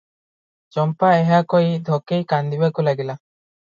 ଚମ୍ପା ଏହା କହି ଧକେଇ କାନ୍ଦିବାକୁ ଲାଗିଲା ।